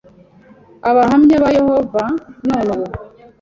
Abahamya ba Yehova none ubu